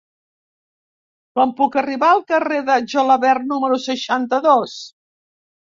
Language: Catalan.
Com puc arribar al carrer de Gelabert número seixanta-dos?